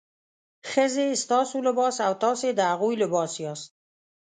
ښځې ستاسو لباس او تاسې د هغوی لباس یاست.